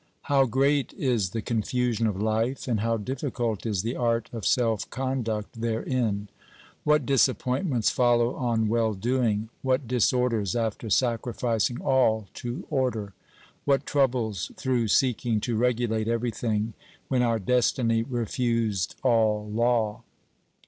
How great is the confusion of life, and how difficult is the art of self conduct therein ! What disappointments follow on well doing, what disorders after sacrificing all to order, what troubles through seeking to regulate everything when our destiny refused all law